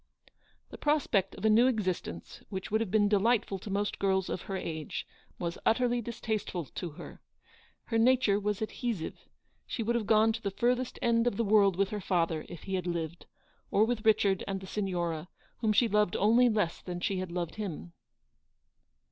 The prospect of a new existence which would have been delightful to most girls of her age, was utterly distasteful to her. Her nature was adhe sive; she would have gone to the furthest end of the world with her father if he had lived, or with Richard and the Signora, whom she loved only less than she had loved him.